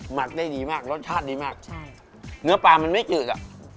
หมักได้ดีมากรสชาติดีมากเหนือปลามันไม่จืดอะใช่